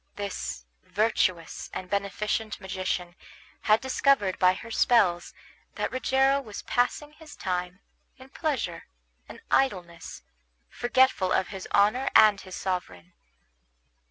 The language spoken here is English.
This virtuous and beneficent magician had discovered by her spells that Rogero was passing his time in pleasure and idleness, forgetful of his honor and his sovereign.